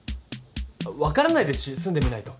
あっわからないですし住んでみないと。